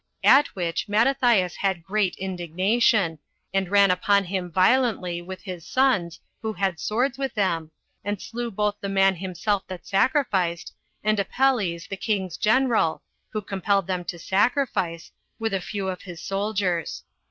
At which Mattathias had great indignation, and ran upon him violently, with his sons, who had swords with them, and slew both the man himself that sacrificed, and Apelles the king's general, who compelled them to sacrifice, with a few of his soldiers.